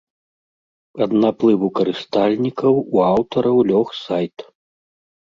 Ад наплыву карыстальнікаў у аўтараў лёг сайт.